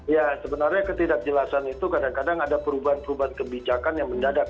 ya sebenarnya ketidakjelasan itu kadang kadang ada perubahan perubahan kebijakan yang mendadak